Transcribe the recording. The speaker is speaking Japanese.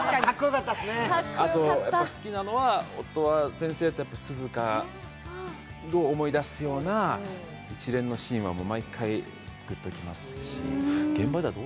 あと好きなのは、音羽先生の涼香を思い出すようなシーンは毎回グッと来ますし。